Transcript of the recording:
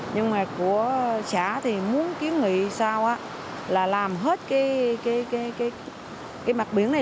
nhưng mà của xã thì muốn kiến nghị sao là làm hết cái mặt biển này